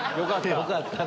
よかった！